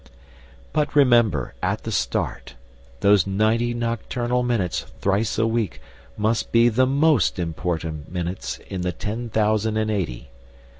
But remember, at the start, those ninety nocturnal minutes thrice a week must be the most important minutes in the ten thousand and eighty.